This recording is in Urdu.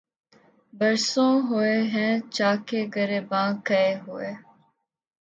برسوں ہوئے ہیں چاکِ گریباں کئے ہوئے